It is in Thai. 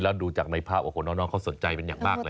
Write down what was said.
แล้วดูจากในภาพโอ้โหน้องเขาสนใจเป็นอย่างมากเลย